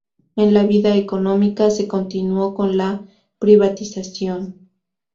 En la vida económica, se continuó con la privatización.